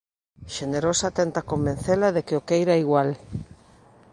Xenerosa tenta convencela de que o queira igual.